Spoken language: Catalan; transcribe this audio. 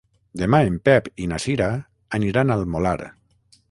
Demà en Pep i na Cira aniran al Molar.